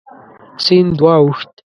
سیند واوښت.